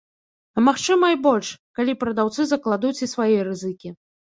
А магчыма і больш, калі прадаўцы закладуць і свае рызыкі.